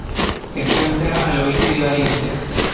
Se encuentra al oeste de Valencia.